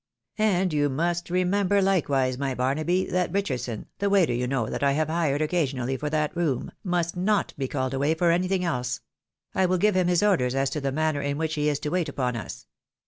And you must remember, hkewise, my Barnaby, that Richardson, the waiter, you know, that I have hired occa sionally for that room, must not be called away for anything 336 THE WIDOW married. else ; I will give liim his orders as to the manner in which he is to wait upon us.